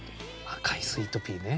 『赤いスイートピー』ね。